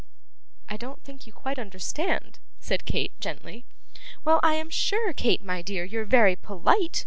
'I don't think you quite understand,' said Kate, gently. 'Well I am sure, Kate, my dear, you're very polite!